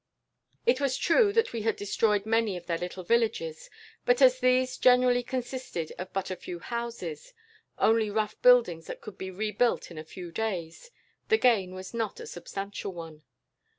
"It was true that we had destroyed many of their little villages, but as these generally consisted of but a few houses, only rough buildings that could be rebuilt in a few days, the gain was not a substantial one.